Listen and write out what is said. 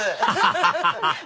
ハハハハ！